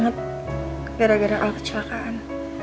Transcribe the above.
gara gara al kecelakaan